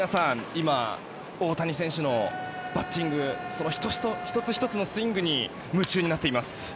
今、大谷選手のバッティングその１つ１つのスイングに夢中になっています。